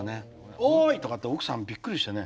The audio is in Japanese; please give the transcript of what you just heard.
「おい！」とかって奥さんびっくりしてね。